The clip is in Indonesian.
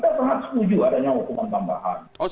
saya sangat setuju adanya hukuman tambahan